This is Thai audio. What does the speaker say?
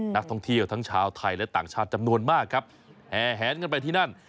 นักท่องเที่ยวทั้งชาวไทยและต่างชาติจำนวนมากครับแห่แหนกันไปที่นั่น